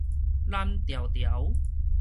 攬牢牢